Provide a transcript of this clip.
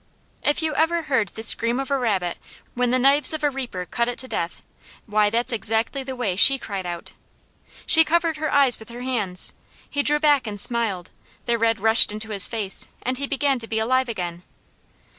If you ever heard the scream of a rabbit when the knives of a reaper cut it to death, why that's exactly the way she cried out. She covered her eyes with her hands. He drew back and smiled, the red rushed into his face, and he began to be alive again.